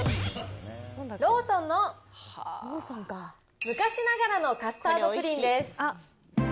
ローソンの昔ながらのカスタードプリンです。